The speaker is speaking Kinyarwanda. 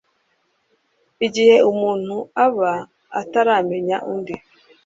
igihe umuntu aba ataramenya undi